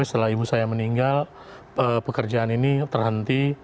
setelah ibu saya meninggal pekerjaan ini terhenti